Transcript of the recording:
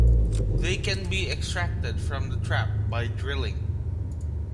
They can be extracted from the trap by drilling.